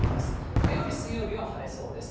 火曜日、水曜日は晴れそうです。